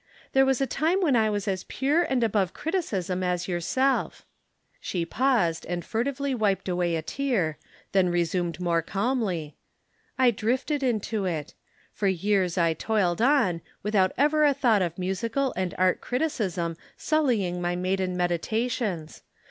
There was a time when I was as pure and above criticism as yourself." She paused and furtively wiped away a tear, then resumed more calmly, "I drifted into it. For years I toiled on, without ever a thought of musical and art criticism sullying my maiden meditations.